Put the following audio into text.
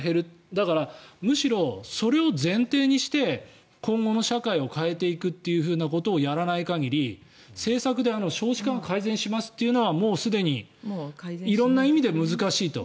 だから、むしろそれを前提にして今後の社会を変えていくということをやらない限り、政策で少子化が改善しますというのはもうすでに色んな意味で難しいと。